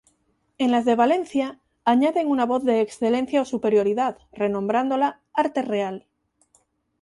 En las de Valencia añaden una voz de excelencia o superioridad, nombrándola "Arte Real".